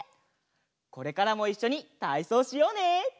これからもいっしょにたいそうしようね！